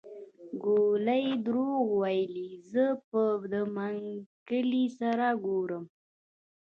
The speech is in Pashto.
ګولي دروغ ويلي زه به د منګلي سره ګورم.